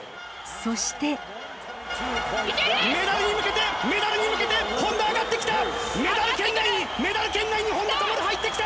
メダルに向けて、メダルに向けて、本多、上がってきた。